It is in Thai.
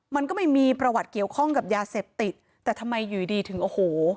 มันก็ไม่มีประวัติเกี่ยวข้องกับยาเสพติดแต่ทำไมอยู่ดีถึงโอ้โห